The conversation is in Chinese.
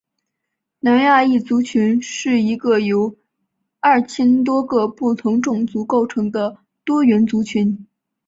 南亚裔族群是一个由二千多个不同种族构成的多元族群。